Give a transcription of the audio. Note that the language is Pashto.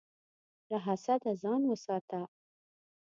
له حسده ځان وساته.